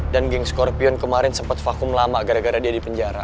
dan geng scorpion kemarin sempet vakum lama gara gara dia di penjara